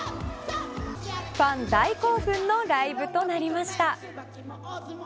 ファン大興奮のライブとなりました。